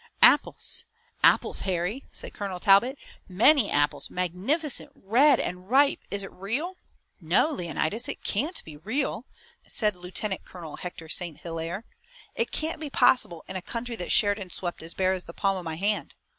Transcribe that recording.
"Apples! apples, Harry!" said Colonel Talbot. "Many apples, magnificent, red and ripe! Is it real?" "No, Leonidas, it can't be real," said Lieutenant Colonel Hector St. Hilaire. "It can't be possible in a country that Sheridan swept as bare as the palm of my hand.